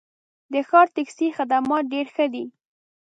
د ښار ټکسي خدمات ډېر ښه دي.